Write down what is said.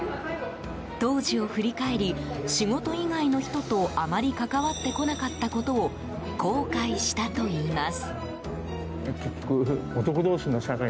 当時を振り返り、仕事以外の人とあまり関わってこなかったことを後悔したといいます。